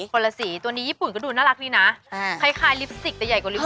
คนละสีตัวนี้ญี่ปุ่นก็ดูน่ารักดีนะคล้ายลิปสติกแต่ใหญ่กว่าลิปป